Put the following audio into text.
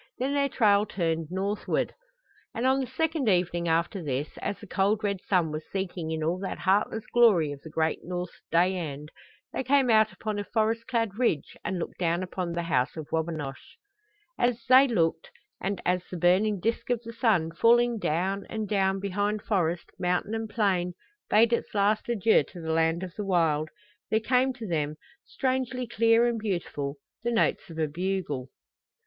Then their trail turned northward, and on the second evening after this, as the cold red sun was sinking in all that heatless glory of the great North's day end, they came out upon a forest clad ridge and looked down upon the House of Wabinosh. And as they looked and as the burning disk of the sun, falling down and down behind forest, mountain and plain, bade its last adieu to the land of the wild, there came to them, strangely clear and beautiful, the notes of a bugle.